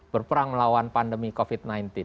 berperang melawan pandemi covid sembilan belas